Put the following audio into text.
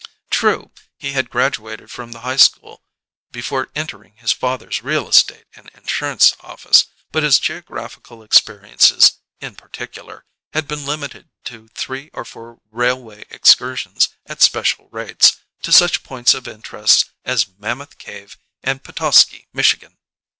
True, he had graduated from the High school before entering his father's Real Estate and Insurance office, but his geographical experiences (in particular) had been limited to three or four railway excursions, at special rates, to such points of interest as Mammoth Cave and Petoskey, Michigan.